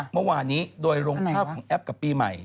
เมื่อวานนี้โดยลงภาพของแอปกับปีใหม่